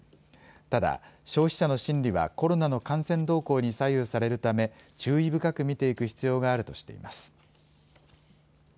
ただ、消費者の心理はコロナの感染動向に左右されるため注意深く見ていく必要があるとしています。